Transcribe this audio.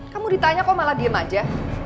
kamu ditanya kok malah diem aja